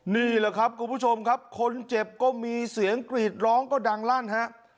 นี่แหละครับคุณผู้ชมครับคนเจ็บก็มีเสียงกรีดร้องก็ดังลั่นฮะ